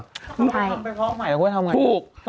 ถ้าเขาทำไปพอใหม่เขาจะทำอย่างไร